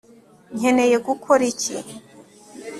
nkeneye gukora iki